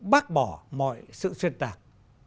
bác bỏ mọi sự xuyên tạc